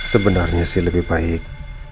sebenarnya sih lebih baik